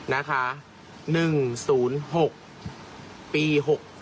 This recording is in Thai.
นะคะ๑๐๖ปี๖๗